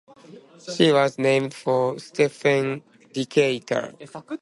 She was named for Stephen Decatur.